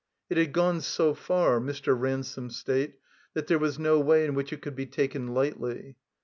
It had gone so far, Mr. Ransome's state, that there was no way in which it could be taken lightly.